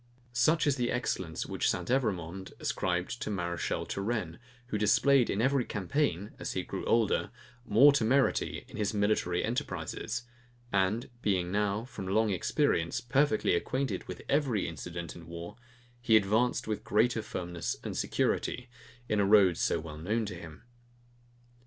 Such is the excellence which St. Evremond ascribes to Mareschal Turenne, who displayed every campaign, as he grew older, more temerity in his military enterprises; and being now, from long experience, perfectly acquainted with every incident in war, he advanced with greater firmness and security, in a road so well known to him.